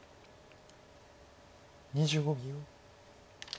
２５秒。